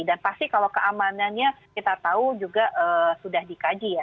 dan pasti kalau keamanannya kita tahu juga sudah dikaji ya